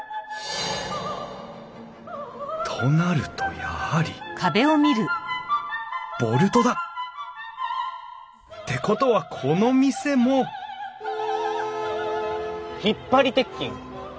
となるとやはりボルトだ！ってことはこの店も引張鉄筋！